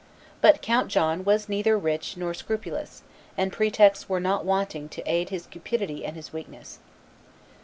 But Count John was neither rich nor scrupulous; and pretexts were not wanting to aid his cupidity and his weakness.